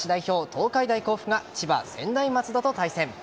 ・東海大甲府が千葉・専大松戸と対戦。